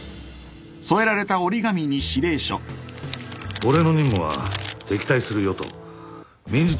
俺の任務は敵対する与党